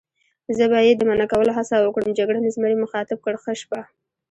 زه به یې د منع کولو هڅه وکړم، جګړن زمري مخاطب کړ: ښه شپه.